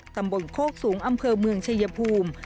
ตำบลโคกสูงอำเภอเมืองชายภูมิ